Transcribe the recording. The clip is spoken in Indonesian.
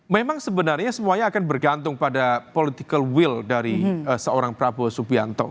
memang sebenarnya semuanya akan bergantung pada political will dari seorang prabowo subianto